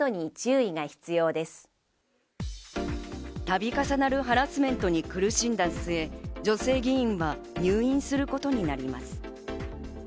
度重なるハラスメントに苦しんだ末、女性議員は入院することになります。